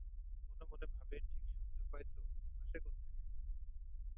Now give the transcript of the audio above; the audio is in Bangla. মনে মনে ভাবে-ঠিক শুনতে পায় তো, আসে কোখোকে!